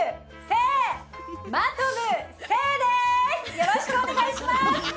よろしくお願いします。